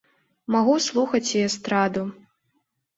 Магу слухаць і эстраду.